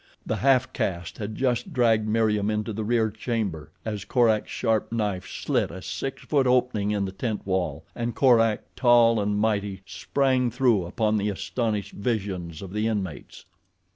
The half caste had just dragged Meriem into the rear chamber as Korak's sharp knife slit a six foot opening in the tent wall, and Korak, tall and mighty, sprang through upon the astonished visions of the inmates.